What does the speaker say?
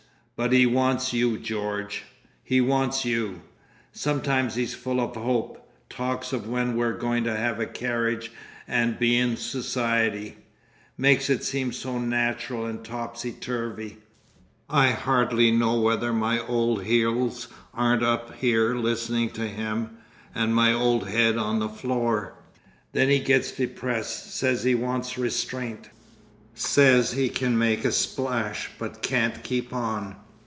But he wants you, George—he wants you. Sometimes he's full of hope—talks of when we're going to have a carriage and be in society—makes it seem so natural and topsy turvy, I hardly know whether my old heels aren't up here listening to him, and my old head on the floor.... Then he gets depressed. Says he wants restraint. Says he can make a splash but can't keep on.